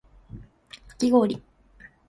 かき氷